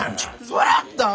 さらったん！？